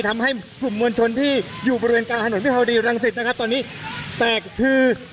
ทำให้กลุ่มวัชชนที่อยู่บริเวณกาของถนนพิทัศน์พิพันธุ์ไดรังสิทธิ์นะครับตอนนี้แตกพื้น